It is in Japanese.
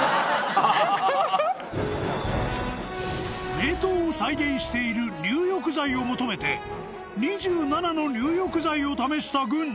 ［名湯を再現している入浴剤を求めて２７の入浴剤を試した郡司］